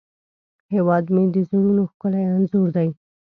هیواد مې د زړونو ښکلی انځور دی